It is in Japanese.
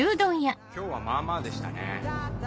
今日はまぁまぁでしたね。